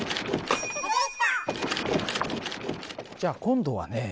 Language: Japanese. じゃあ今度はね